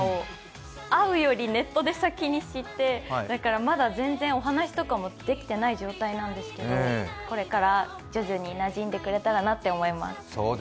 会うよりネットで先に知ってだからまだ全然お話とかもできてない状態なんですけどこれから徐々になじんでくれたらなと思います。